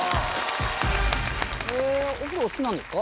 へぇお風呂お好きなんですか？